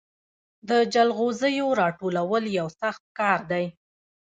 د جلغوزیو راټولول یو سخت کار دی.